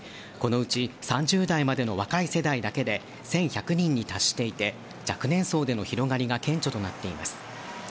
このうち３０代までの若い世代だけで１１００人に達していて若年層での広がりが顕著となっています。